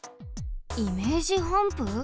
イメージハンプ？